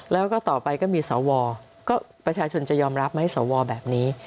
แล้วก็ต่อไปก็มีสวก็ประชาชนจะยอมรับไหมสวแบบนี้